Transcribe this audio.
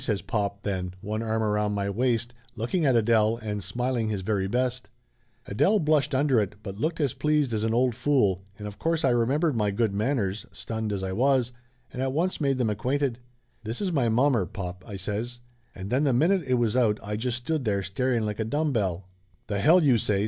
says pop then, one arm around my waist, looking at Adele and smiling his very best. Adele blushed under it, but looked as pleased as an old fool, and of course I remembered my good man ners, stunned as I was, and at once made them ac quainted. "Why this is mommer, pop," I says. And then the minute it was out I just stood there staring like a dumb bell. "The hell you say!"